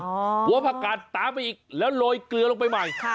หัวผักกัดตามไปอีกแล้วโรยเกลือลงไปใหม่